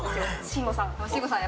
慎吾さん。